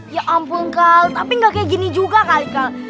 ya ampun kal tapi nggak kayak gini juga kal